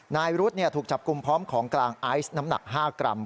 นายรุธถูกจับกลุ่มพร้อมของกลางไอซ์น้ำหนัก๕กรัม